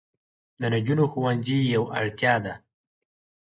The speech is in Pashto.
د نجونو ښوونځي یوه اړتیا ده.